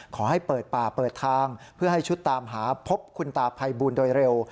ขอให้เปิดป่าเปิดทางเพื่อให้ชุดตามหาพบคุณตาภัยบูลโดยเร็ว